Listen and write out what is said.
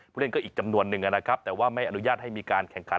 ผู้เล่นก็อีกจำนวนนึงนะครับแต่ว่าไม่อนุญาตให้มีการแข่งขัน